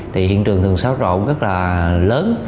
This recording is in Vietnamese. thì hiện trường thường xáo rộn rất là lớn